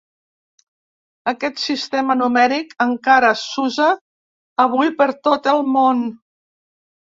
Aquest sistema numèric encara s'usa avui per tot el món.